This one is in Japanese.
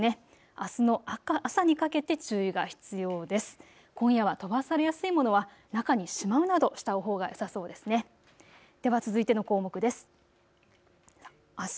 あすの朝にかけて注意が必要です。